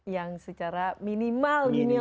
yang secara minimal